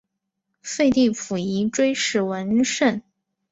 废帝溥仪追谥文慎。